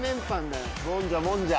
もんじゃもんじゃ！